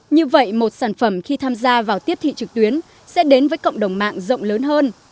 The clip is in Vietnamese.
như vậy một sản phẩm khi tham gia vào tiếp thị trực tuyến sẽ đến với cộng đồng mạng rộng lớn hơn